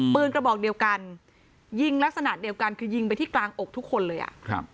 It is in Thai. กระบอกเดียวกันยิงลักษณะเดียวกันคือยิงไปที่กลางอกทุกคนเลยอ่ะครับ